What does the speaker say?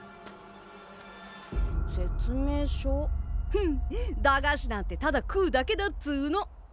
フン駄菓子なんてただ食うだけだっつうの。